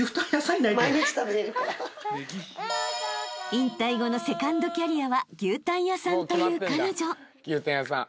［引退後のセカンドキャリアは牛タン屋さんという彼女］